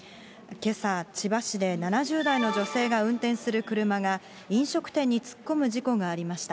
けさ、千葉市で７０代の女性が運転する車が飲食店に突っ込む事故がありました。